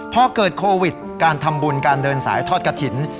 พอเกิดโควิดการทำบุญการเดินสายทอดกระถิ่น